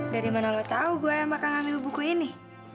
dari mana lo tau gue bakal ngambil buku ini